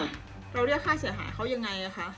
เราเรียกค่าเสียหายเขายังไงคะ